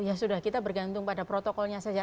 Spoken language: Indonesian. ya sudah kita bergantung pada protokolnya saja